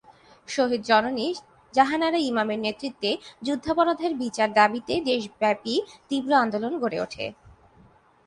শহীদ জননী জাহানারা ইমামের নেতৃত্বে যুদ্ধাপরাধের বিচারের দাবিতে দেশব্যাপী তীব্র আন্দোলন গড়ে উঠে।